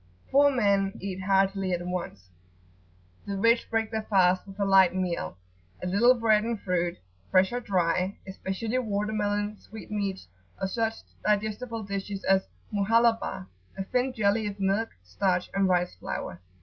Poor men eat heartily at once. The rich break their fast with a light meal, a little bread and fruit, fresh or dry, especially water melon, sweetmeats, or such digestible dishes as "Muhallabah," a thin jelly of milk, starch, and rice flour.